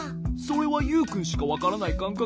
それはユウくんしかわからないかん